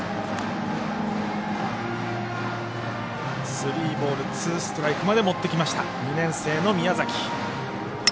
スリーボールツーストライクまで持ってきた２年生の宮崎。